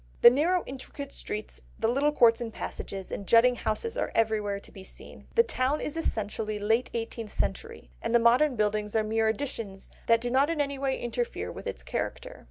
The narrow intricate streets, the little courts and passages, and jutting houses are everywhere to be seen. The town is essentially late eighteenth century, and the modern buildings are mere additions that do not in any way interfere with its character.